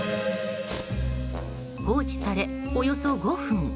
放置され、およそ５分。